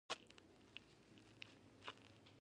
د اولیګارشۍ اوسپنیز قانون ته هم باید وکتل شي.